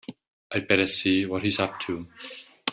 I'd better see what he's up to.